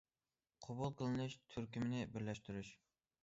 قوبۇل قىلىنىش تۈركۈمىنى بىرلەشتۈرۈش.